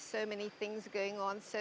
ada banyak hal yang berlaku